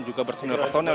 juga bersenilai personil